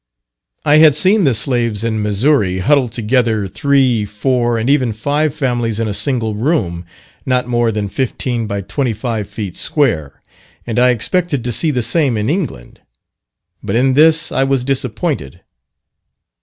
I had seen the slaves in Missouri huddled together, three, four, and even five families in a single room not more than 15 by 25 feet square, and I expected to see the same in England. But in this I was disappointed.